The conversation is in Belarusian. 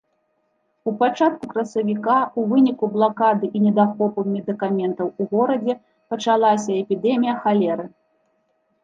У пачатку красавіка ў выніку блакады і недахопу медыкаментаў у горадзе пачалася эпідэмія халеры.